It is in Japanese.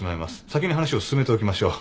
先に話を進めておきましょう。